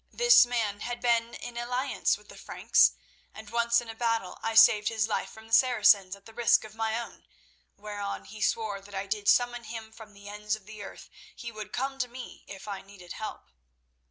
This man had been in alliance with the Franks, and once in a battle I saved his life from the Saracens at the risk of my own, whereon he swore that did I summon him from the ends of the earth he would come to me if I needed help.